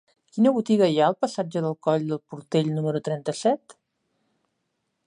Quina botiga hi ha al passatge del Coll del Portell número trenta-set?